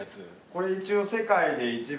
これ一応。